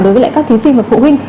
đối với các thí sinh và phụ huynh